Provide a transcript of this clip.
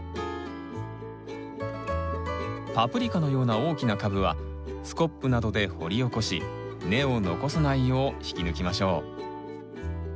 パプリカのような大きな株はスコップなどで掘り起こし根を残さないよう引き抜きましょう。